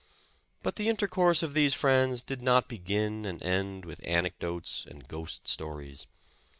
But the intercourse of these friends did not begin and end with anecdotes and ghost stories.